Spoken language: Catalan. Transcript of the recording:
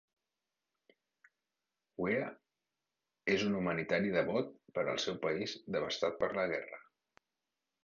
Weah és un humanitari devot per al seu país devastat per la guerra.